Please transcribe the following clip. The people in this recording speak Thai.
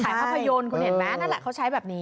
ภาพยนตร์คุณเห็นไหมนั่นแหละเขาใช้แบบนี้